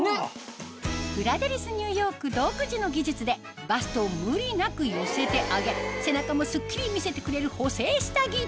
ブラデリスニューヨーク独自の技術でバストを無理なく寄せて上げ背中もスッキリ見せてくれる補整下着